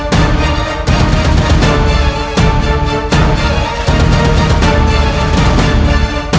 jangan lupa menerima ayah anda